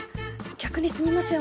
逆にすみません